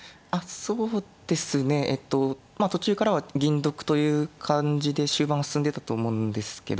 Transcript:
そうですねえっとまあ途中からは銀得という感じで終盤は進んでたと思うんですけど